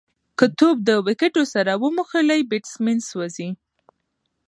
که توپ د وکټو سره وموښلي، بېټسمېن سوځي.